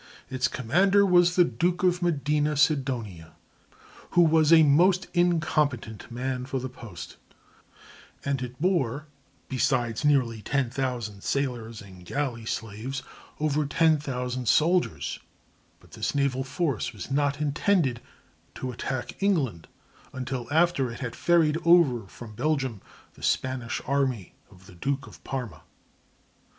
Its commander was the Duke of Medina Sidonia, who was a most incompetent man for the post, and it bore, besides nearly 10,000 sailors and galley slaves, over 10,000 soldiers; but this naval force was not intended to attack England until after it had ferried over from Belgium the Spanish army of the Duke of Parma.